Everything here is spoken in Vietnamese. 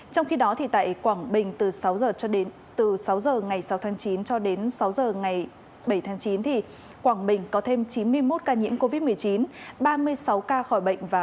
trong khi đó tại quảng bình từ sáu giờ ngày sáu tháng chín cho đến sáu giờ ngày bảy tháng chín quảng bình có thêm chín mươi một ca nhiễm covid một mươi chín ba mươi sáu ca khỏi bệnh và